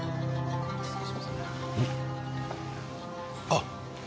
あっ。